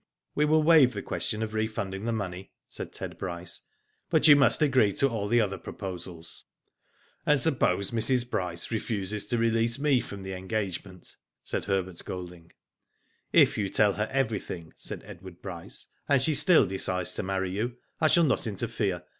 ^* We will waive the question of refunding the money," said Ted Bryce; *'but you must agree to all the other proposals." And suppose Mrs. Bryce refuses to release me from the engagement?" said Herbert Golding. If you tell her everything," said Edward Bryce, and she still decides to marry you, I shall not interfere.